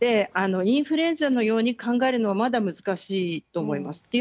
インフルエンザのように考えるのはまだ難しいと思います。